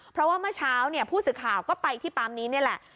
เพราะว่าเมื่อเช้าเนี่ยผู้สื่อข่าวก็ไปที่ปั๊มนี้นี่แหละ